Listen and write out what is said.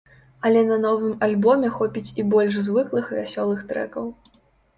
Але на новым альбоме хопіць і больш звыклых вясёлых трэкаў.